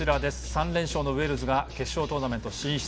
３連勝のウェールズが決勝トーナメント進出。